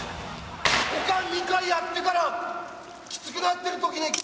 股間２回やってからきつくなってる時に。